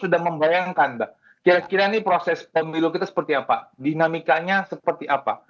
sudah membayangkan mbak kira kira ini proses pemilu kita seperti apa dinamikanya seperti apa